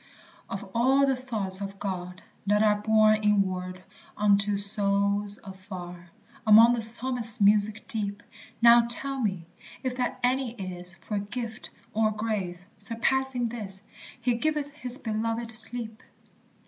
Of all the thoughts of God that are Borne inward unto souls afar, Among the Psalmist's music deep, Now tell me if that any is, For gift or grace, surpassing this, "He giveth his belovèd sleep